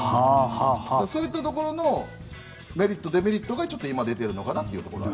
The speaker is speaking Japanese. そういったところのメリット、デメリットが今、出ているかなと。